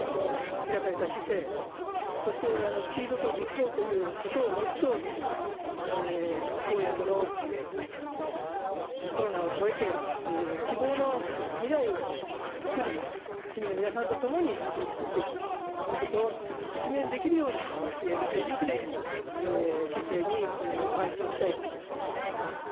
開かれた市政、そしてスピードと実行ということをモットーに公約のコロナをこえて希望の未来をつくると、市民の皆さんとともにつくっていくということを実現できるように全力で市政にまい進したい。